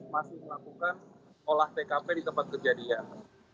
masih melakukan olah tkp di tempat kejadian